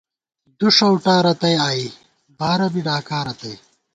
دُݭؤٹارتئی آئی، بارہ بی ڈاکا رتئی